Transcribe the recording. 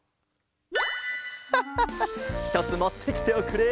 ハッハッハひとつもってきておくれ。